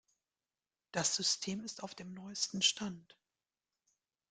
Das System ist auf dem neuesten Stand.